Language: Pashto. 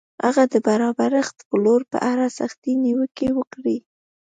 هغه د برابرښت پلور په اړه سختې نیوکې وکړې.